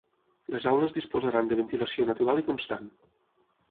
Les aules disposaran de ventilació natural i constant.